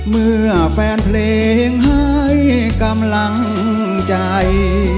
เมื่อแฟนเพลงให้กำลังใจ